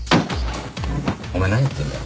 お前何言ってんだ？